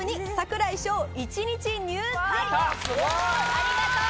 ありがとう！